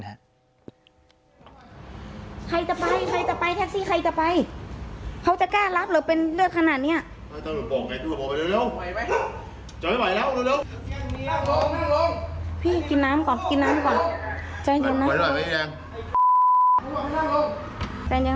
ไม่เอากิ๊งก็กิ๊งอยู่ด้วยกันอยี๋วแต่อยู่ด้วยกันอย่าตีกัน